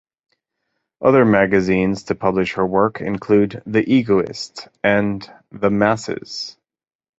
Other magazines to publish her work include "The Egoist" and "The Masses".